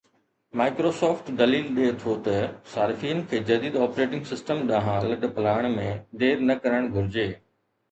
Microsoft دليل ڏئي ٿو ته صارفين کي جديد آپريٽنگ سسٽم ڏانهن لڏپلاڻ ۾ دير نه ڪرڻ گهرجي